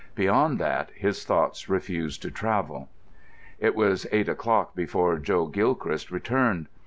Beyond that his thoughts refused to travel. It was eight o'clock before Joe Gilchrist returned.